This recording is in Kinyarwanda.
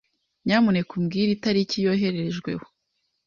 Nyamuneka umbwire itariki yoherejweho?